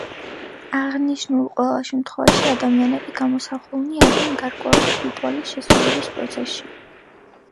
აღნიშნულ ყველა შემთხვევაში, ადამიანები გამოსახულნი არიან გარკვეული რიტუალის შესრულების პროცესში.